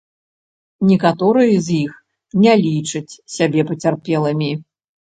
Некаторыя з іх не лічаць сябе пацярпелымі.